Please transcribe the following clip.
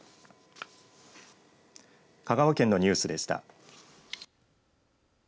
香川県のニュースでした。